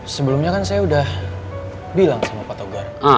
sebelumnya kan saya sudah bilang sama pak togar